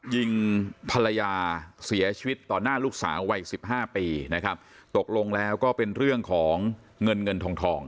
ยิงภรรยาเสียชีวิตต่อหน้าลูกสาววัยสิบห้าปีนะครับตกลงแล้วก็เป็นเรื่องของเงินเงินทองทอง